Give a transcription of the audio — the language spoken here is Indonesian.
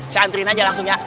santrin aja langsung ya